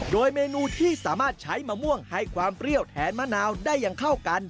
โดยเมนูที่สามารถใช้มะม่วงให้ความเปรี้ยวแทนมะนาวได้อย่างเข้ากัน